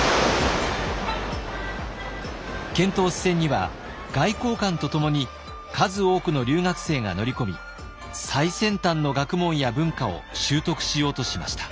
遣唐使船には外交官とともに数多くの留学生が乗り込み最先端の学問や文化を習得しようとしました。